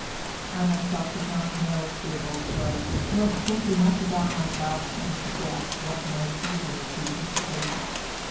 I myself did not know of Theobald's letter, nor think enough about my godson to guess what might easily be his state.